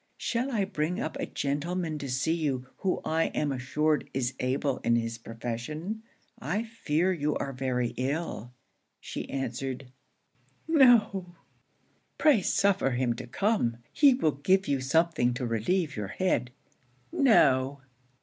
'Shall I bring up a gentleman to see you who I am assured is able in his profession? I fear you are very ill.' She answered, 'no!' 'Pray suffer him to come; he will give you something to relieve your head.' 'No!'